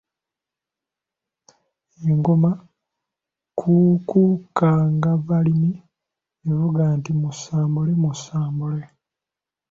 "Engoma Kuukukkangabalimi evuga nti “Musambule, musambule.”"